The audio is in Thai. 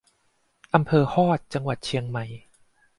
อำเภอฮอด จังหวัดเชียงใหม่